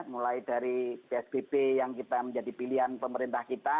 mulai dari psbb yang kita menjadi pilihan pemerintah kita